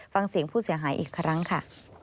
ฟังเสียงผู้เสียหายอีกครั้งค่ะ